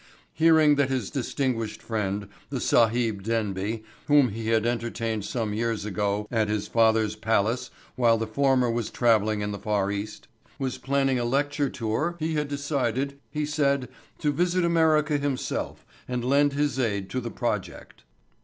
Hearing that his distinguished friend, the Sahib Denby, whom he had entertained some years ago at his father's palace while the former was traveling in the far east, was planning a lecture tour he had decided, he said, to visit America himself and lend his aid to the project.